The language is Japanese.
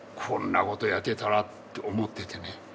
こんなことをやってたらって思っててね。